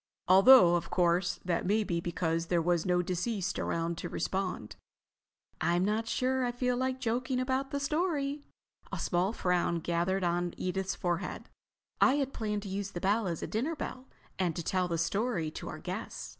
Although, of course, that may be because there was no deceased around to respond." "I'm not sure I feel like joking about the story." A small frown gathered on Edith's forehead. "I had planned to use the bell as a dinner bell and to tell the story to our guests.